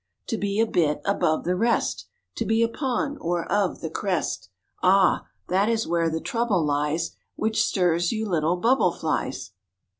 To be a bit above the rest! To be upon, or of, the crest! Ah! that is where the trouble lies Which stirs you little bubble flies.